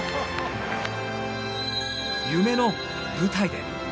夢の舞台で。